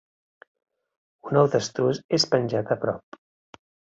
Un ou d'estruç és penjat a prop.